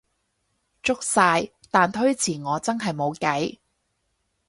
足晒，但推遲我真係無計